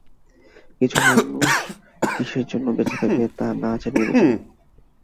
কিছু মানুষ কিসের জন্য বেঁচে আছে তা না জেনেই বেঁচে থাকে।